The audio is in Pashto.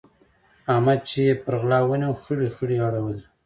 احمد چې يې پر غلا ونيو؛ خړې خړې يې اړولې.